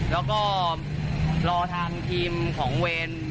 แล้วก็รอทางทีมของเวร